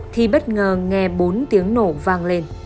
thì bất ngờ nghe bốn tiếng nổ vang lên